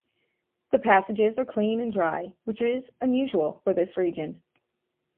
The passages are clean and dry, which is unusual for this region.